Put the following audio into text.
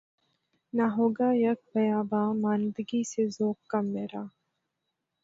نہ ہوگا یک بیاباں ماندگی سے ذوق کم میرا